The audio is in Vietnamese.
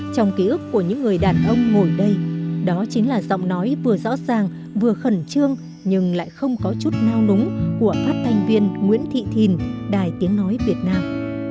trong ký ức của những người đàn ông ngồi đây đó chính là giọng nói vừa rõ ràng vừa khẩn trương nhưng lại không có chút nao núng của phát thanh viên nguyễn thị thìn đài tiếng nói việt nam